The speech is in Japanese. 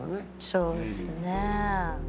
そうですよね。